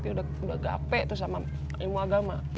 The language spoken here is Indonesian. udah gape tuh sama ilmu agama